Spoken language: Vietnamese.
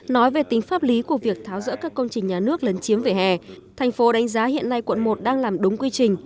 nói về tính pháp lý của việc tháo rỡ các công trình nhà nước lấn chiếm vỉa hè thành phố đánh giá hiện nay quận một đang làm đúng quy trình